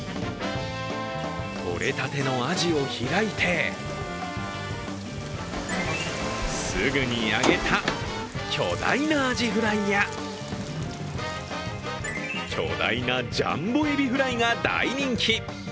とれたてのあじを開いてすぐに揚げた巨大なアジフライや巨大なジャンボエビフライが大人気。